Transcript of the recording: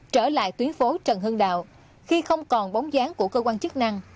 trở lại tuyến phố trần hưng đạo khi không còn bóng dáng của cơ quan chức năng